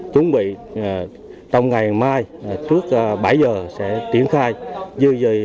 chuẩn bị trong ngày mai trước bảy giờ sẽ tiến khai